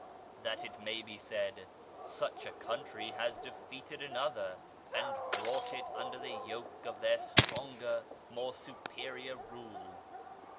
That it may be said :" Such a country has defeated another, and brought it under the yoke of their stronger, more superior rule.